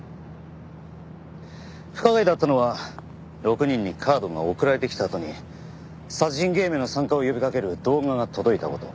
不可解だったのは６人にカードが送られてきたあとに殺人ゲームへの参加を呼びかける動画が届いた事。